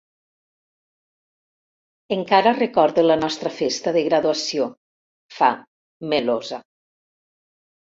Encara recordo la nostra festa de graduació —fa, melosa.